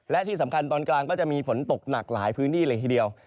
และที่สำคัญตอนกลางก็จะมีฝนตกหนักหลายพื้นที่เลยทีเดียว